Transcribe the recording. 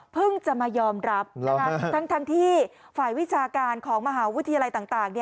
จะมายอมรับทั้งที่ฝ่ายวิชาการของมหาวิทยาลัยต่าง